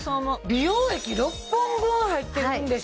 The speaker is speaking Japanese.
美容液６本分入ってるんでしょ。